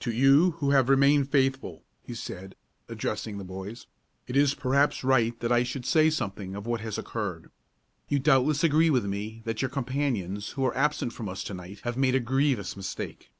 "To you who have remained faithful," he said, addressing the boys, "it is perhaps right that I should say something of what has occurred. You doubtless agree with me that your companions who are absent from us to night have made a grievous mistake.